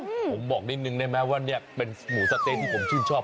ผมบอกนิดนึงได้ไหมว่าเนี่ยเป็นหมูสะเต๊ะที่ผมชื่นชอบ